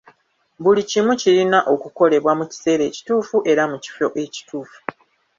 Buli kimu kirina okukolebwa mu kiseera ekituufu era mu kifo ekituufu.